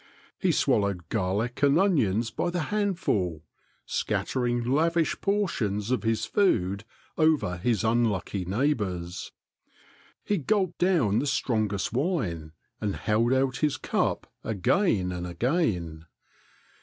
He swallowed garlic and onions by the handful, scattering lavish portions of his food over his unlucky neighbors. He gulped down the strongest wine and held out his cup again and again.